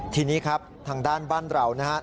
ทีนี้ครับทางด้านบ้านเรานะครับ